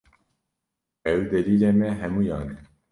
Ew delîlê me hemûyan e